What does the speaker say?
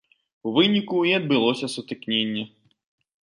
У выніку і адбылося сутыкненне.